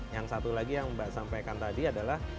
yang satu lagi yang mbak sampaikan tadi adalah